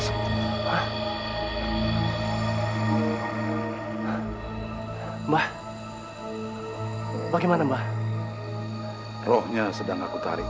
upah dengan makh entendu ayat tuhan